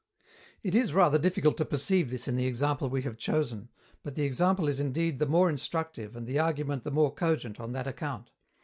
It is rather difficult to perceive this in the example we have chosen, but the example is indeed the more instructive and the argument the more cogent on that account.